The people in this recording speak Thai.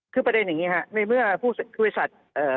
คือประเด็นอย่างนี้ครับในเมื่อบริษัท